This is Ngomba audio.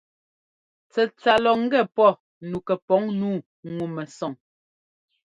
Tsɛtsa lɔ ŋgɛ pɔ nu pɛpuŋ nǔu ŋu-mɛsɔŋ.